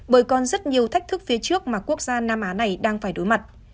bởi còn rất nhiều thách thức phía trước mà quốc gia nam á này đang phải đối mặt